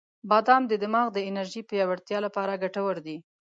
• بادام د دماغ د انرژی پیاوړتیا لپاره ګټور دی.